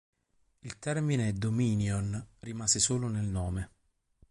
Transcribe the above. Il termine Dominion rimase solo nel nome.